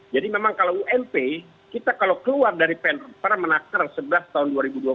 jadi memang kalau ump kita kalau keluar dari pemper menakar sebelas tahun dua ribu dua puluh dua